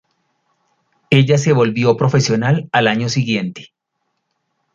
Ella se volvió profesional al año siguiente.